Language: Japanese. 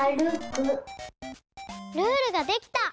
ルールができた！